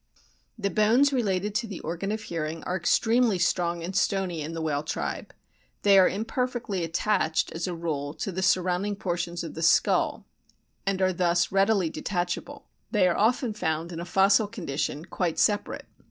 The bones related to the organ of hearing are extremely strong and stony in the whale tribe ; they are imperfectly attached, as a rule, to the sur rounding portions of the skull, and are thus readily detachable ; they are often found in a fossil condition quite separate.